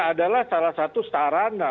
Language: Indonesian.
adalah salah satu sarana